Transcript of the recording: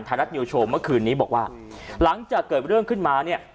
รัฐนิวโชว์เมื่อคืนนี้บอกว่าหลังจากเกิดเรื่องขึ้นมาเนี่ย